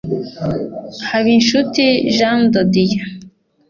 Habinshuti Jean de Dieu